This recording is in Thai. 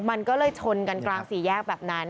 มันก็เลยชนกันกลางสี่แยกแบบนั้น